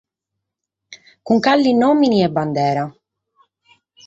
Cun cale nòmene e bandera?